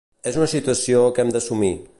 És un situació que hem d'assumir.